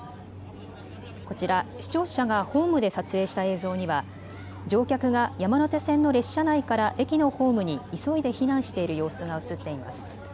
こちら、視聴者がホームで撮影した映像には乗客が山手線の列車内から駅のホームに急いで避難している様子が映っています。